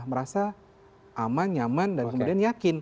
merasa aman nyaman dan kemudian yakin